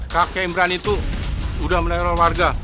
kakek imran itu udah meneroloh warga